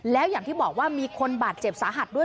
แล้วอย่างที่บอกว่ามีคนบาดเจ็บสาหัสด้วย